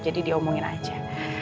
jadi diomongin aja